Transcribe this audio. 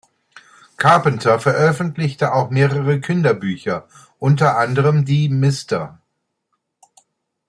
Carpenter veröffentlichte auch mehrere Kinderbücher, unter anderem die "Mr.